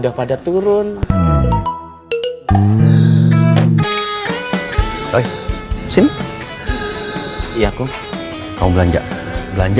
assalamualaikum cantiknya kang nga ceng